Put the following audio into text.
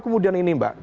kemudian ini mbak